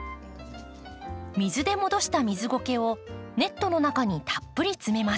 水で戻した水ごけをネットの中にたっぷり詰めます。